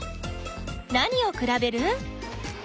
何をくらべる？